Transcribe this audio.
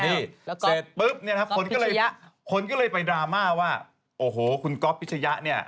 เสร็จปุ๊บคนก็เลยไปดราม่าว่าโอ้โหคุณก๊อปพิชยะเนี่ย